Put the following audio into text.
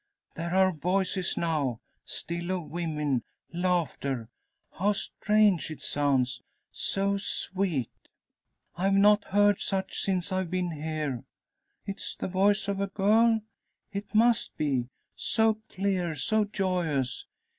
"There are voices now! Still of women! Laughter! How strange it sounds! So sweet! I've not heard such since I've been here. It's the voice of a girl? It must be so clear, so joyous.